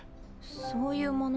そういうもの？